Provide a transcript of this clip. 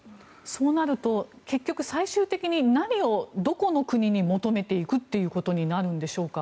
そうなると結局最終的に何をどこの国に求めていくっていうことになるんでしょうか。